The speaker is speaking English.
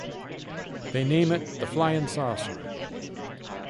They named it the Flyin-Saucer.